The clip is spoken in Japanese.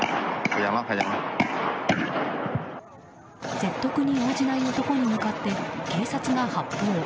説得に応じない男に向かって警察が発砲。